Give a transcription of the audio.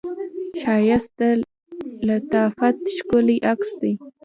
ښایست د لطافت ښکلی عکس دی